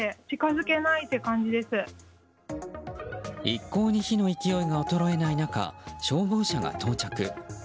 一向に火の勢いが衰えない中消防車が到着。